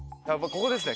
ここですね。